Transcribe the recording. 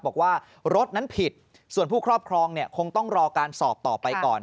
บอกว่ารถนั้นผิดส่วนผู้ครอบครองเนี่ยคงต้องรอการสอบต่อไปก่อน